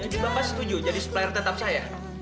jadi bapak setuju jadi supplier tetap saya